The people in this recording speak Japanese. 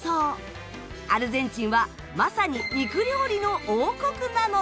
アルゼンチンはまさに肉料理の王国なのだ。